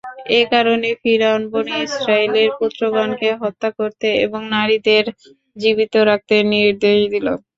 এ কারণেই ফিরআউন বনী ইসরাঈলের পুত্রগণকে হত্যা করতে এবং নারীদের জীবিত রাখতে নির্দেশ দিল।